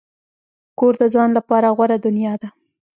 کور د ځان لپاره غوره دنیا ده.